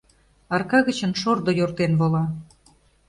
Арка гычын шордо йортен вола